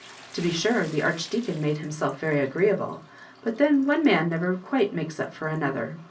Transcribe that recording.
, To be sure the Archdeacon made himself very agreeable, but then one man never quite makes up for another.